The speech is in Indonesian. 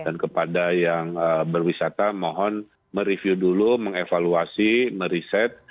dan kepada yang berwisata mohon mereview dulu mengevaluasi mereset